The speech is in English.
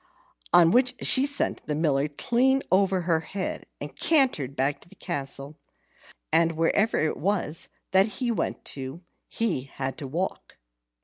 On which she sent the Miller clean over her head, and cantered back to the castle; and wherever it was that he went to, he had to walk.